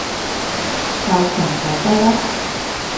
夠長就得囉